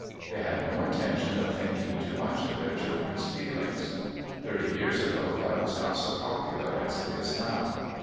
They had no intention of thinking too much of their children's feelings. Thirty years ago that was not so popular as it is now.